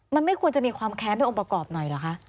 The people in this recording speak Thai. มันไม่ควรจะมีความแค้นเป็นองค์ประกอบหน่อยเหรอคะ